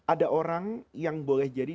ada orang yang boleh jadi